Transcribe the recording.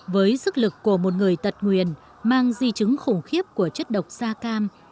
với sức lực của một người tật nguyền mang di chứng khủng khiếp của chất độc da cam